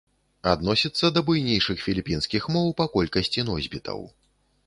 Адносіцца да буйнейшых філіпінскіх моў па колькасці носьбітаў.